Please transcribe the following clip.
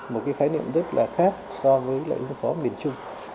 một cái khái niệm rất là khác so với lệ ứng phó miền trung